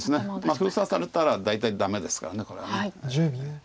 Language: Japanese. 封鎖されたら大体ダメですからこれは。